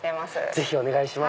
ぜひお願いします。